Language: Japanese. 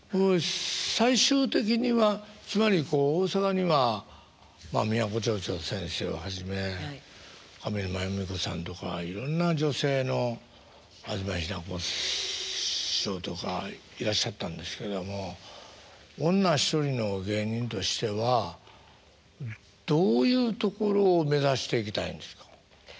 最終的にはつまりこう大阪にはまあミヤコ蝶々先生をはじめ上沼恵美子さんとかいろんな女性の吾妻ひな子師匠とかいらっしゃったんですけども女一人の芸人としてはどういうところを目指していきたいんですか？